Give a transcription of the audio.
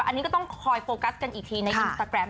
อันนี้ก็ต้องคอยโฟกัสกันอีกทีในอินสตาแกรม